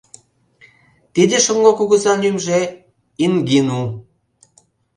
Тиде шоҥго кугызан лӱмжӧ — Ингину.